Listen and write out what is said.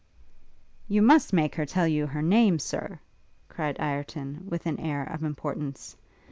'You must make her tell you her name, Sir!' cried Ireton, with an air of importance.